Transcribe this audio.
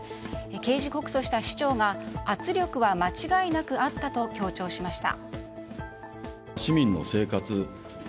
刑事告訴した市長が圧力は間違いなくあったと強調しました。